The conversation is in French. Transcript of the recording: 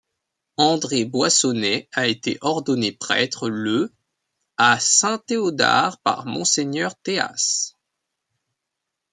André Boissonnet a été ordonné prêtre le à Saint Théodard par monseigneur Théas.